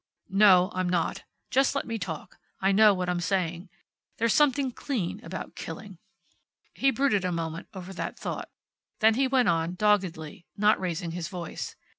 "No, I'm not. Just let me talk. I know what I'm saying. There's something clean about killing." He brooded a moment over that thought. Then he went on, doggedly, not raising his voice.